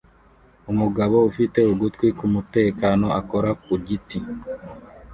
Umugabo ufite ugutwi kumutekano akora ku giti